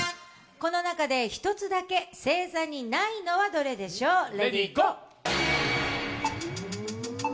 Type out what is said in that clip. この中で１つだけ星座にないのはどれでしょう。